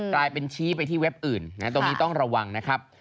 กลายเป็นชี้ไปที่เว็บอื่นตรงนี้ต้องระวังนะครับ